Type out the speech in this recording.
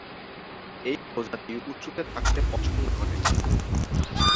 এই প্রজাতি উঁচুতে থাকতে পছন্দ করে।